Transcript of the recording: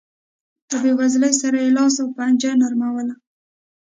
له بېوزلۍ سره یې لاس و پنجه نرموله.